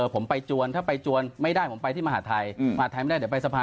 ผมไปจวนถ้าไปจวนไม่ได้ผมไปที่มหาทัยมหาทัยไม่ได้เดี๋ยวไปสภา